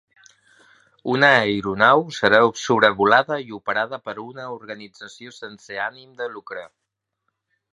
Una aeronau serà sobrevolada i operada per una organització sense ànim de lucre.